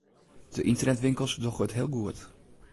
De ynternetwinkels dogge it heel goed.